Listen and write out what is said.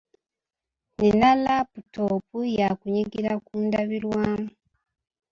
Nnina laputopu ya kunyigira ku ndabirwamu.